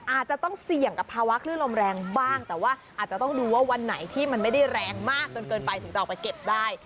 อาจจะต้องเสี่ยงกับภาวะคลื่นลมแรงบ้างแต่ว่าอาจจะต้องดูว่าวันไหนที่มันไม่ได้แรงมากจนเกินไปถึงจะออกไปเก็บได้